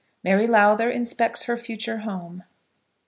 MARY LOWTHER INSPECTS HER FUTURE HOME.